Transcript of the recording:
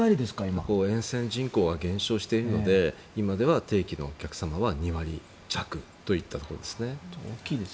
沿線人口が減少しているので今では定期のお客様は２割弱といったところですね。